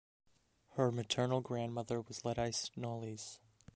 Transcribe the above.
Her maternal grandmother was Lettice Knollys.